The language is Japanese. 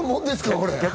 これ。